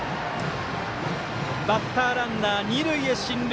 バッターランナー、二塁へ進塁。